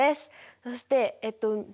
そしてえっと熱中！